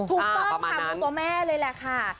ถูกต้องข้าวงูสัญลักษณ์เลยแหละค่ะ